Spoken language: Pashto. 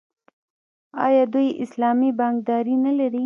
آیا دوی اسلامي بانکداري نلري؟